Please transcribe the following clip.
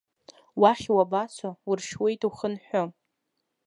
Уахь уабацо, уршьуеит, ухынҳәы!